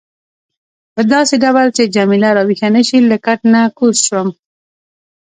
په داسې ډول چې جميله راویښه نه شي له کټ نه کوز شوم.